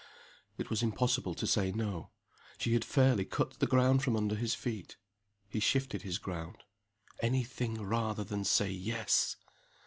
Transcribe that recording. It was impossible to say No: she had fairly cut the ground from under his feet. He shifted his ground. Any thing rather than say Yes!